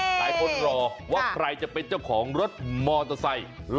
หลายคนรอว่าใครจะเป็นเจ้าของรถมอเตอร์ไซค์